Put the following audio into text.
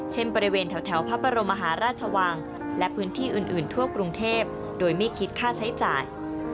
บริเวณแถวพระบรมมหาราชวังและพื้นที่อื่นทั่วกรุงเทพโดยไม่คิดค่าใช้จ่าย